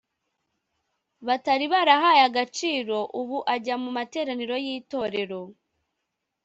batari barahaye agaciro ubu ajya mu materaniro y itorero